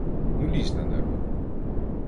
Ну, лізь на небо.